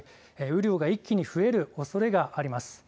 雨量が一気に増えるおそれがあります。